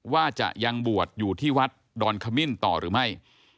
ว่าจะยังบวชอยู่ที่วัดดอนขมิ้นต่อหรือไม่